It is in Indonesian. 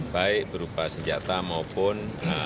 baik berupa senjata maupun